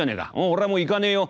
俺はもう行かねえよ」。